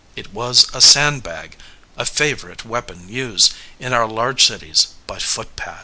It was a sand bag, a favorite weapon used in our large cities by footpads.